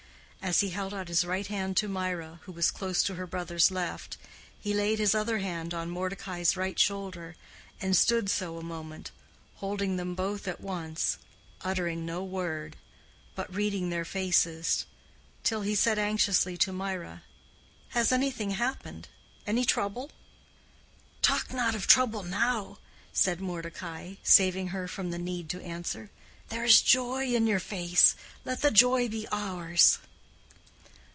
As he held out his right hand to Mirah, who was close to her brother's left, he laid his other hand on Mordecai's right shoulder, and stood so a moment, holding them both at once, uttering no word, but reading their faces, till he said anxiously to Mirah, "Has anything happened?—any trouble?" "Talk not of trouble now," said Mordecai, saving her from the need to answer. "There is joy in your face—let the joy be ours."